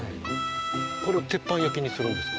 これを鉄板焼きにするんですか？